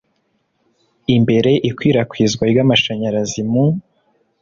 imbere ikwirakwizwa ry amashanyarazi mu